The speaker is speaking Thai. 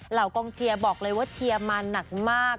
กองเชียร์บอกเลยว่าเชียร์มาหนักมาก